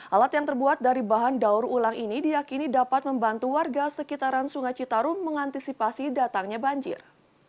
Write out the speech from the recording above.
alat yang terbuat dari bahan daur ulang ini diakini dapat membantu warga sekitaran sungai citarum mengantisipasi datangnya banjir